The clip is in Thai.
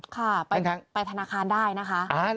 ค่ะไปธนาคารได้นะคะ